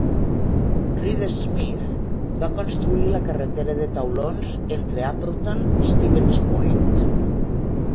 Reeder Smith va construir la carretera de taulons entre Appleton i Stevens Point.